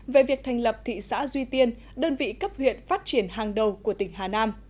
về việc thành lập thị xã duy tiên đơn vị cấp huyện phát triển hàng đầu của tỉnh hà nam